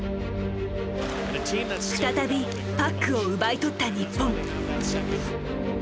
再びパックを奪い取った日本。